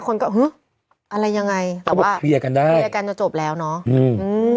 คนก็ฮึอะไรยังไงแต่ว่าเคลียร์กันได้เคลียร์กันจะจบแล้วเนอะอืมอืม